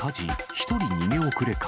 １人逃げ遅れか。